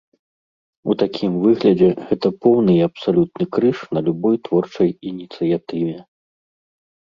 У такім выглядзе гэта поўны і абсалютны крыж на любой творчай ініцыятыве.